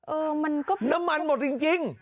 เออมันก็น้ำมันหมดจริง